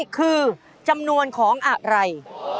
คือจำนวนของอะไร